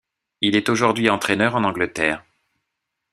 Il est aujourd'hui entraîneur en Angleterre.